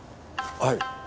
はい。